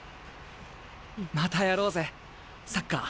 またやろうぜサッカー。